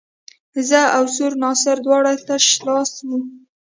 زه او سور ناصر دواړه تش لاس وو.